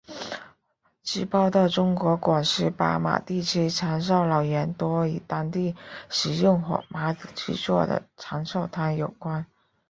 据报道中国广西巴马地区长寿老人多与当地食用火麻子制作的长寿汤有关。